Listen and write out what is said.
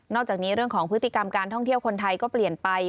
อกจากนี้เรื่องของพฤติกรรมการท่องเที่ยวคนไทยก็เปลี่ยนไป